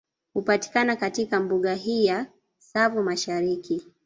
Hupatikana katika Mbuga hii ya Tsavo Mashariki